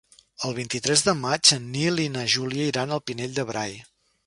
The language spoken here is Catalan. El vint-i-tres de maig en Nil i na Júlia iran al Pinell de Brai.